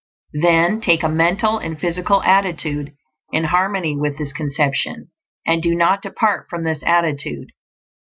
Then take a mental and physical attitude in harmony with this conception; and do not depart from this attitude.